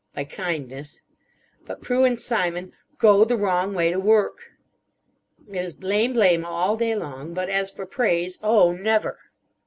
By kindness. But Prue and Simon go the wrong way to work. It is blame blame all day long. But as for praise. Oh never!